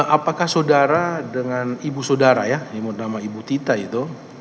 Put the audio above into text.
apakah saudara dengan ibu saudara ya ibu nama ibu tita itu